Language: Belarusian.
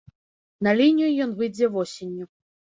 На лінію ён выйдзе восенню.